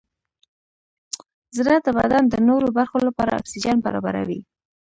زړه د بدن د نورو برخو لپاره اکسیجن برابروي.